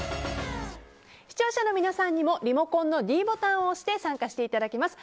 視聴者の皆さんにもリモコンのｄボタンを押して参加していただけます。